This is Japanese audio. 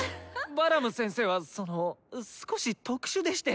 バラム先生はその少し特殊でして。